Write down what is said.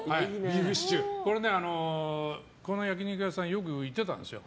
この焼き肉屋さんよく行ってたんですよ。